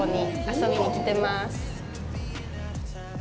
遊びに来てます。